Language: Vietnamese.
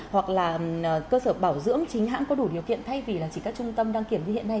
hoặc là cơ sở bảo dưỡng chính hãng có đủ điều kiện thay vì chỉ các trung tâm đăng kiểm như hiện nay